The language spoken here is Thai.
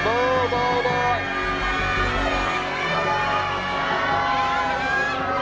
ร้องได้ร้องได้